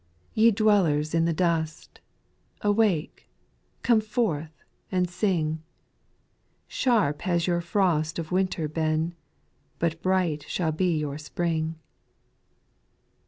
8. Ye dwellers in the dust, Awake, come forth, and sing ; Sharp has your frost of winter been, But bright shall be your spring.